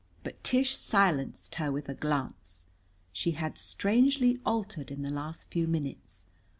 But Tish silenced her with a glance. She had strangely altered in the last few minutes.